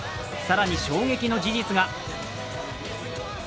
更に衝撃の事実が。